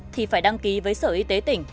thì phải đăng ký với sở y tế tỉnh